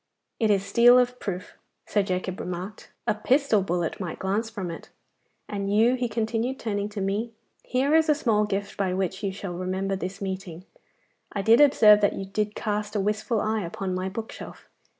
'It is steel of proof,' Sir Jacob remarked; 'a pistol bullet might glance from it. And you,' he continued, turning to me, 'here is a small gift by which you shall remember this meeting. I did observe that you did cast a wistful eye upon my bookshelf.